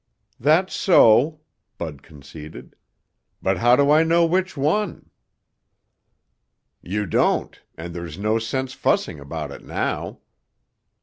"That's so," Bud conceded, "but how do I know which one?" "You don't and there's no sense fussing about it now.